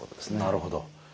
なるほど。